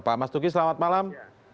pak mas tuki selamat malam